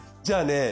じゃあね